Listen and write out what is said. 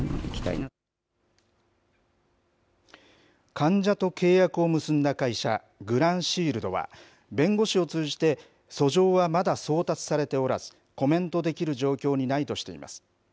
患者と契約を結んだ会社、グランシールドは、弁護士を通じて、訴状はまだ送達されておらず、コメントできる状況にないとしています。